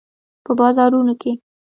په بازارونو کې